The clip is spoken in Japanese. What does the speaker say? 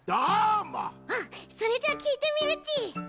それじゃあきいてみるち！